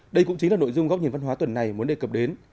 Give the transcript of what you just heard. đây cũng chính là nội dung góc nhìn văn hóa tuần này muốn đề cập đến